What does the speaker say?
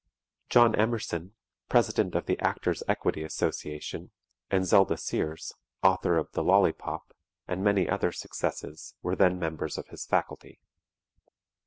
John Emerson, President of the Actor's Equity Association, and Zelda Sears, author of "The Lollypop," and many other successes, were then members of his faculty.